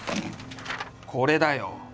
これだよ。